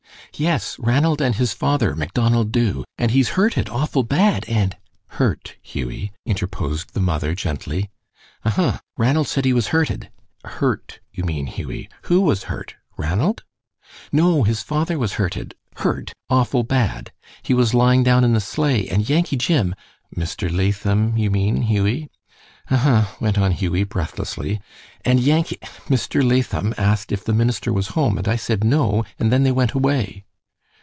"Yes, Ranald and his father, Macdonald Dubh, and he's hurted awful bad, and " "Hurt, Hughie," interposed the mother, gently. "Huh huh! Ranald said he was hurted." "Hurt, you mean, Hughie. Who was hurt? Ranald?" "No; his father was hurted hurt awful bad. He was lying down in the sleigh, and Yankee Jim " "Mr. Latham, you mean, Hughie." "Huh huh," went on Hughie, breathlessly, "and Yankee Mr. Latham asked if the minister was home, and I said 'No,' and then they went away."